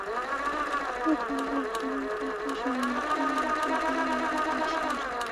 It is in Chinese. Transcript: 不同的职位对候选人均有最低年龄的限制。